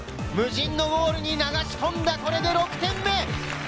無人のゴールに流し込んだ、これで６点目。